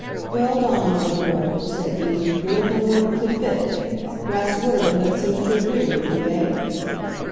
"Well, Dawn old girl," said he "you're looking wonderfully fit. Grass widowhood seems to agree with you, eh?"